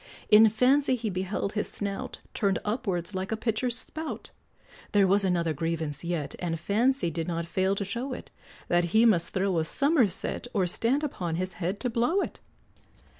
In fancy he beheld his snout Turned upwards like a pitcher's spout; There was another grievance yet, And fancy did not fail to show it, That he must throw a summerset, Or stand upon his head to blow it.